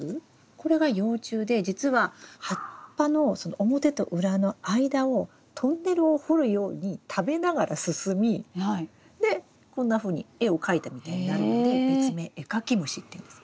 これが幼虫で実は葉っぱの表と裏の間をトンネルを掘るように食べながら進みでこんなふうに絵を描いたみたいになるので別名エカキムシっていうんです。